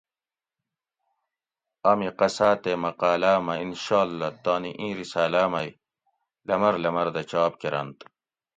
امی قصا تے مقالاۤ مہ انشاء اللّہ تانی اِیں رِساۤلاۤ مئی لمر لمر دہ چاپ کۤرنت